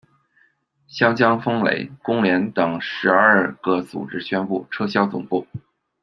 湘江风雷、工联等十二个组织宣布撤销总部。